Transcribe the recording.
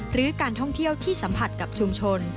หรือการท่องเที่ยวที่สัมผัสกับชุมชน